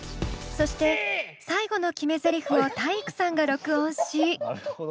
そして最後の決めゼリフを体育さんが録音し。